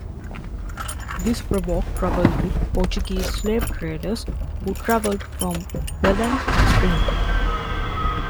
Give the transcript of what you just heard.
This provoked trouble with Portuguese slave traders, who travelled from Belem upstream.